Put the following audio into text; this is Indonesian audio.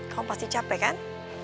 kamu pasti capek kan